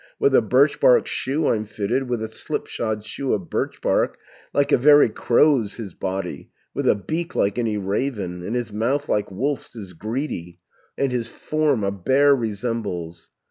With a birchbark shoe I'm fitted, With a slipshod shoe of birchbark, Like a very crow's his body, With a beak like any raven, And his mouth like wolf's is greedy, And his form a bear resembles.